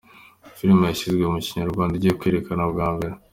film yashyizwe mu Kinyarwanda igiye kwerekanwa bwa mbere